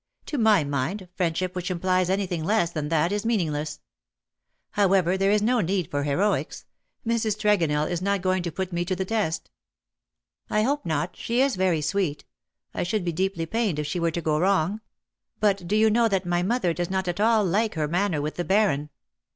To my mind, friendship which implies anything less than that is meaning less. However, there is no need for heroics : Mrs. Tregonell is not going to put me to the test." " I hope not. She is very sweet. I should be deeply pained if she were to go wrong. But do you know that my mother does not at all like her manner with the Baron.